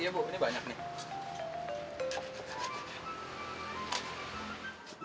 iya bu ini banyak nih